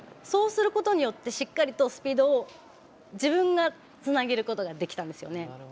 そうすることによってしっかりとスピードを自分がつなげることができたんですよね。